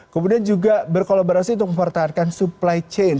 kemudian juga berkolaborasi untuk mempertahankan supply chain